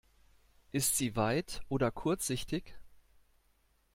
Ist sie weit- oder kurzsichtig?